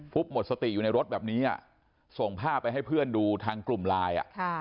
หมดสติอยู่ในรถแบบนี้ส่งภาพไปให้เพื่อนดูทางกลุ่มไลน์